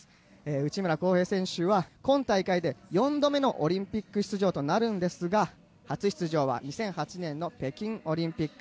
内村航平選手は今大会で４度目のオリンピック出場となるんですが初出場は２００８年の北京オリンピック。